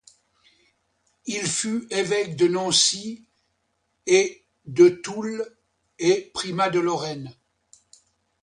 Il fut évêque de Nancy et de Toul et primat de Lorraine.